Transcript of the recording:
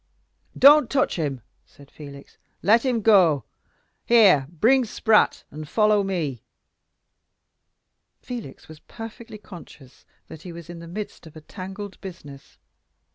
"Don't touch him!" said Felix. "Let him go. Here, bring Spratt, and follow me." Felix was perfectly conscious that he was in the midst of a tangled business.